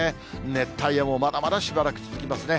熱帯夜もまだまだしばらく続きますね。